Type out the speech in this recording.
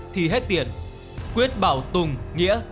hai mươi hai thì hết tiền quyết bảo tùng nghĩa